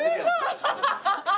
ハハハハ！